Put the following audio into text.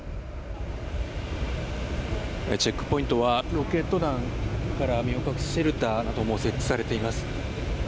チェックポイントはロケット弾から身を隠すシェルターなども設置されています。